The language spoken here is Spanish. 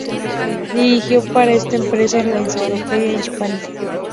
Dirigió para esta empresa la Enciclopedia Hispánica.